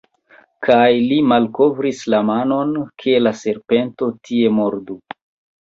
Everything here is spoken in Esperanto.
Kaj li malkovris la manon, ke la serpento tie mordu.